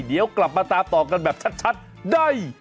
เดี๋ยวกลับมาตามต่อกันแบบชัดได้